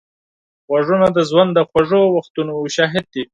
غوږونه د ژوند د خوږو وختونو شاهد دي